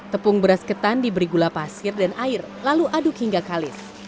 tepung beras ketan diberi gula pasir dan air lalu aduk hingga kalis